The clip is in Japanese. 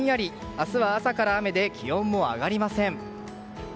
明日は朝から雨で気温も上がりません。